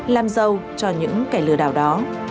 làm dâu cho những kẻ lừa đảo đó